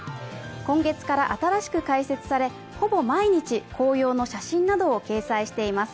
今月から新しく掲載され、ほぼ毎日紅葉の写真などを掲載しています。